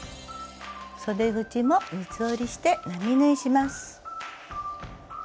そで口も三つ折りして並縫いします。